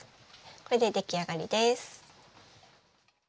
これで出来上がりです。